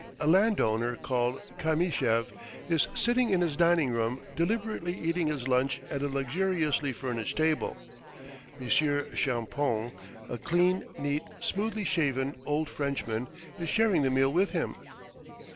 A landowner, called Kamyshev, is sitting in his dining room, deliberately eating his lunch at a luxuriously furnished table. Monsieur Champoun, a clean, neat, smoothly shaven, old Frenchman, is sharing the meal with him.